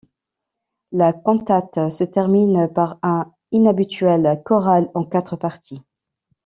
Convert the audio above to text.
La cantate se termine par un inhabituel choral en quatre parties.